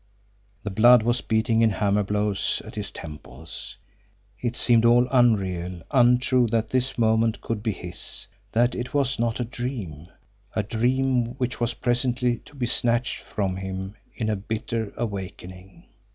The blood was beating in hammer blows at his temples. It seemed all unreal, untrue that this moment could be his, that it was not a dream a dream which was presently to be snatched from him in a bitter awakening.